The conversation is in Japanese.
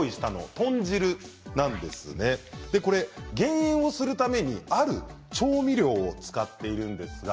今回、ご用意したのは豚汁なんですが減塩をするためにある調味料を使っているんです。